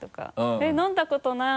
「えっ飲んだことない」とか。